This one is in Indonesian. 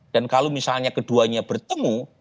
dan kalau misalnya keduanya bertemu